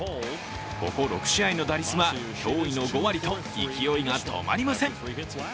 ここ６試合の打率は驚異の５割と勢いが止まりません。